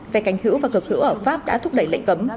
phe cánh hữu và cực hữu ở pháp đã thúc đẩy lệnh cấm